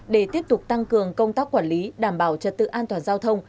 để tiếp tục tăng cường công tác quản lý đảm bảo trật tự an toàn giao thông